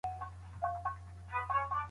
جګړو پر ښار ناوړه اغېز کړی دی.